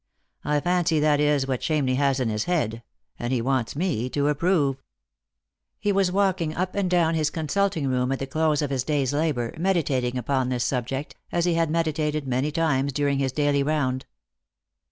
I fancy that is what Chamney has in his head ; and he wants me to approve." He was walking up and down his consulting room at the close of his day's labour, meditating upon this subject, as he had meditated many times during his daily round.